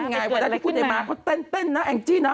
เพราะนั่นอย่างไรพอเมื่อกุ้งได้มาเขาเต้นนะแอ้งจี้นะ